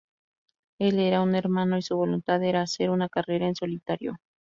Él era un hermano y su voluntad era hacer una carrera en solitario.